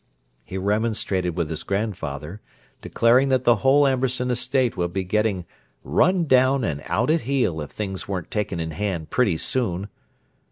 He remonstrated with his grandfather, declaring that the whole Amberson Estate would be getting "run down and out at heel, if things weren't taken in hand pretty soon."